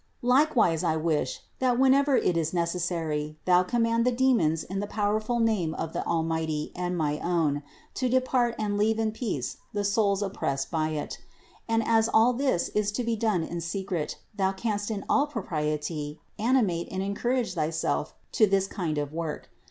Likewise I wish, that whenever it is necessary, thou command the demons in the powerful name of the Almighty and my own, to depart and leave in peace the souls oppressed by them; and as all this is to be done in secret, thou canst in all propriety animate and encourage thyself to this kind of work.